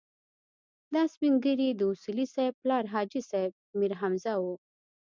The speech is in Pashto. دا سپين ږيری د اصولي صیب پلار حاجي صیب میرحمزه و.